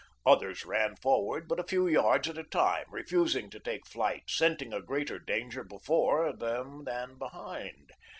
Others ran forward but a few yards at a time, refusing to take flight, scenting a greater danger before them than behind.